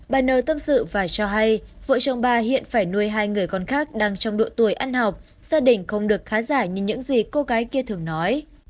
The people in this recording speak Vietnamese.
bà n tâm sự và cho hay vợ chồng bà hiện phải nuôi hai người con khác đang trong độ tuổi ăn học gia đình không được khá giải như những gì cô gái kia thường nói